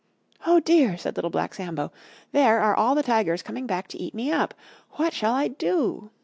"Oh dear!" said Little Black Sambo, "There are all the Tigers coming back to eat me up! What shall I do?"